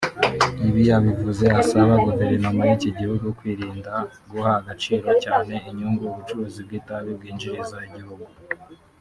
Ibi yabivuze asaba Guverinoma y’iki gihugu kwirinda guha agaciro cyane inyungu ubucuruzi bw’itabi bwinjiriza igihugu